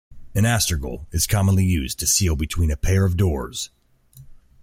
An astragal is commonly used to seal between a pair of doors.